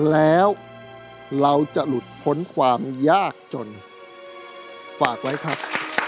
แล้วเราจะหลุดพ้นความยากจนฝากไว้ครับ